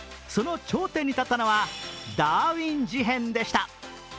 その頂点に立ったのは、「ダーウィン事変」でした。